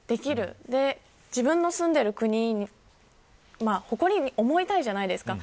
そして自分の住んでいる国に誇りに思いたいじゃないですか。